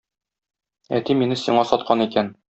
Әти мине сиңа саткан икән.